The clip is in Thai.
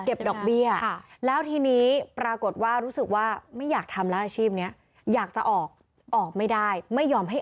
เก็บดอกเบี้ยใช่ไหม